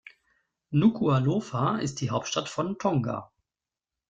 Nukuʻalofa ist die Hauptstadt von Tonga.